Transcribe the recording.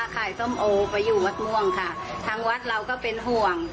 ส้มโอไปอยู่วัดม่วงค่ะทางวัดเราก็เป็นห่วง